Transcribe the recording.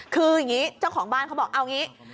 คืออย่างนี้เจ้าของบ้านเขาบอกเอางี้